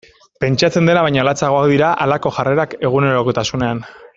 Pentsatzen dena baino latzagoak dira halako jarrerak egunerokotasunean.